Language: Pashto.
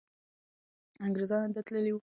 انګریزان هند ته تللي وو.